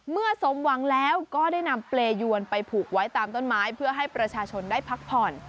เมื่อสมหวังแล้วก็ได้นำเปรยวนไปผูกไว้ตามต้นไม้เพื่อให้ประชาชนได้พักผ่อน